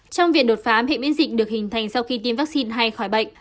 trong việc đột phá hệ miễn dịch được hình thành sau khi tiêm vaccine hay khỏi bệnh